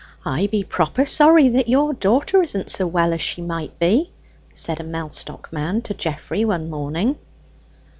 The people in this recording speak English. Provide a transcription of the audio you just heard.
"I be proper sorry that your daughter isn't so well as she might be," said a Mellstock man to Geoffrey one morning.